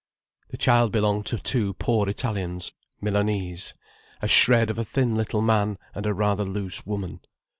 The child belonged to two poor Italians—Milanese—a shred of a thin little man, and a rather loose woman.